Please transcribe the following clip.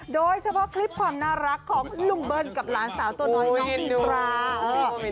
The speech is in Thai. โดยเฉพาะคลิปความน่ารักของหนุ่มเบิ้ลกับหลานสาวตัวน้อยน้องอินตรา